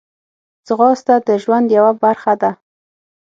ځغاسته د ژوند یوه برخه ده